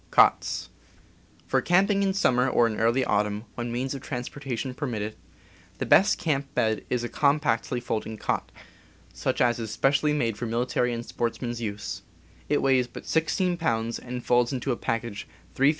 For camping in summer or in early autumn, when means of transportation permit it, the best camp bed is a compactly folding cot, such as is specially made for military and sports men's use; it weighs but sixteen pounds, and folds into a package 3 ft.